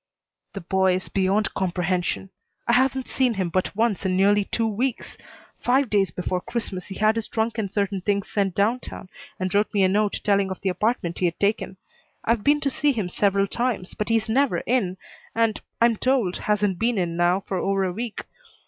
"The boy is beyond comprehension. I haven't seen him but once in nearly two weeks. Five days before Christmas he had his trunk and certain things sent down town, and wrote me a note telling of the apartment he'd taken. I've been to see him several times, but he's never in and, I'm told, hasn't been in now for over a week.